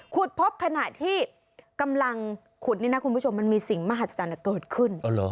พบขณะที่กำลังขุดนี่นะคุณผู้ชมมันมีสิ่งมหัศจรรย์เกิดขึ้น